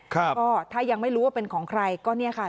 ก็ถ้ายังไม่รู้ว่าเป็นของใครก็เนี่ยค่ะ